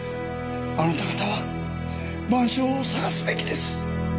あなた方は『晩鐘』を探すべきです！